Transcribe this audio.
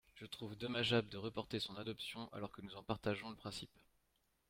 Je trouve dommageable de reporter son adoption alors que nous en partageons le principe.